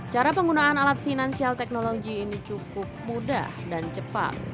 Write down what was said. cara penggunaan alat finansial teknologi ini cukup mudah dan cepat